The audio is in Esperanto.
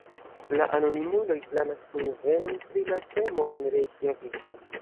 La anonimuloj planas kunvenon pri la temo en Rejkjaviko.